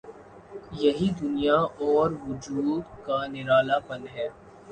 یہی دنیا اور وجود کا نرالا پن ہے۔